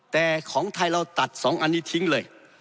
แต่ของไทยตัดสองอันนี้ทิ้งเลย